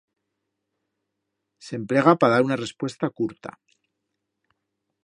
S'emplega pa dar una respuesta curta.